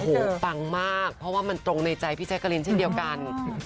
โอ้โหปังมากเพราะว่ามันตรงในใจพี่แจ๊กกะลินเช่นเดียวกัน